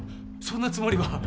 そんなつもりは。